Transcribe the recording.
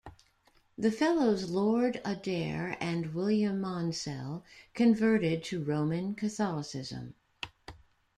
The Fellows Lord Adare and William Monsell converted to Roman Catholicism.